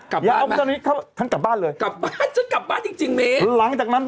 กลับบ้าน